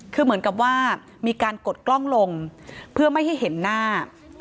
คือเหมือนกับว่ามีการกดกล้องลงเพื่อไม่ให้เห็นหน้า